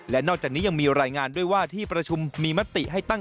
และนอกจากนี้ยังมีรายงานด้วยว่าที่ประชุมมีมติให้ตั้ง